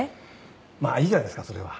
まあいいじゃないですかそれは。